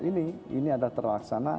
ini ini ada terlaksana